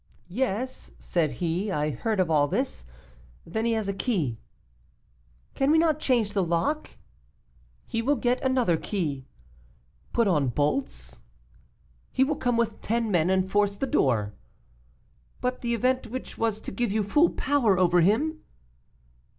"'Yes,' said he, 'I heard of all this. Then he has a key.' 'Can we not change the lock?' 'He will get another key.' 'Put on bolts? 'He will come with ten men and force the door. 'But the event which was to give you full power over him?